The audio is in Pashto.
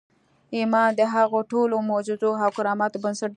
ایمان د هغو ټولو معجزو او کراماتو بنسټ دی